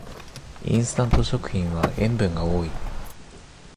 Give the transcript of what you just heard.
インスタント食品は塩分が多い